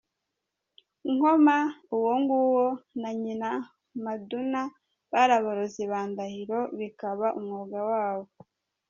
Nkoma uwonguwo, na nyina Maduna bari abarozi ba Ndahiro, bikaba umwuga wabo.